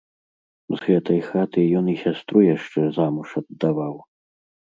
З гэтай хаты ён і сястру яшчэ замуж аддаваў.